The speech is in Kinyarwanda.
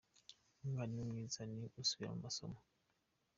Umwalimu mwiza ni usubiramo amasomo.